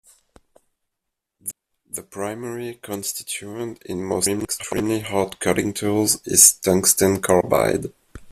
The primary constituent in most extremely hard cutting tools is tungsten carbide.